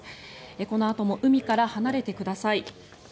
このあとも海から離れてください。